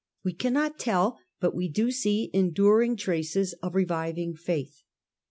We cannot tell, but we do see enduring traces of reviving faith. 1.